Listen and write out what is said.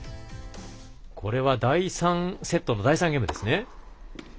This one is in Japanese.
第３セットの第３ゲームですね。